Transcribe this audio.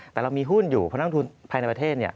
แต่เรามีหุ้นอยู่เพราะนักทุนภายในประเทศ